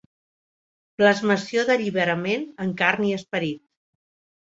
Plasmació d'alliberament en carn i esperit.